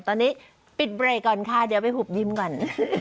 ตอนนี้ปิดเบรกก่อนค่ะเดี๋ยวไปหุบยิ้มก่อน